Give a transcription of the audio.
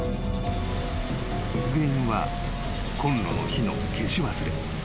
［原因はコンロの火の消し忘れ］